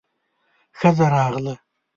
ښځه راغله.